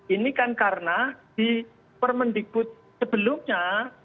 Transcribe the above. ini kan karena di permen di kut sebelumnya